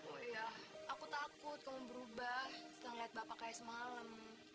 oh iya aku takut kamu berubah setelah ngeliat bapak kayak semalam